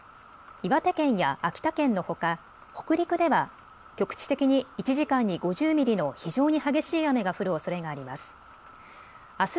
岩手県や秋田県のほか北陸では局地的に１時間に５０ミリの非常に激しい雨が降るおそれがあります。